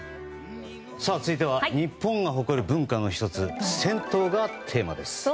続いては日本が誇る文化の１つ銭湯がテーマです。